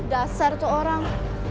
dasar itu orang